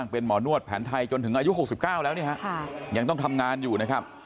เป็นหมอนวดแผนไทยจนถึงอายุ๖๙แล้วยังต้องทำงานอยู่นะครับ